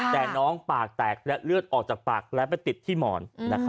แต่น้องปากแตกและเลือดออกจากปากและไปติดที่หมอน